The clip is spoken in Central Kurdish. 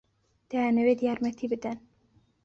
دەیانەوێت یارمەتی بدەن.